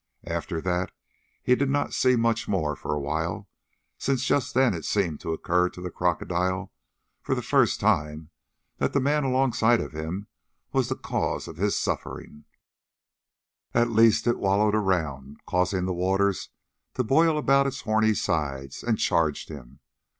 After that he did not see much more for a while, since just then it seemed to occur to the crocodile for the first time that the man alongside of him was the cause of his suffering; at least it wallowed round, causing the waters to boil about its horny sides, and charged him.